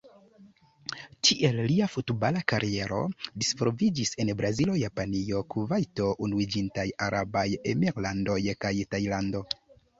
Tiel lia futbala kariero disvolviĝis en Brazilo, Japanio, Kuvajto, Unuiĝintaj Arabaj Emirlandoj kaj Tajlando.